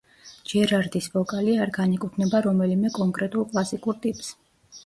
ჯერარდის ვოკალი არ განეკუთვნება რომელიმე კონკრეტულ კლასიკურ ტიპს.